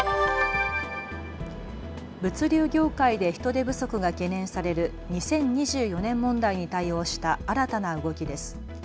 物流業界で人手不足が懸念される２０２４年問題に対応した新たな動きです。